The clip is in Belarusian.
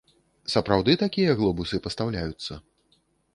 Сапраўды такія глобусы пастаўляюцца?